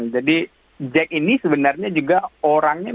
jadi jack ini sebenarnya juga orangnya